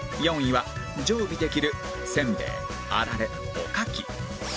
４位は常備できるせんべいあられおかき